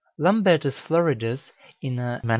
Lambertus Floridus, in a MS.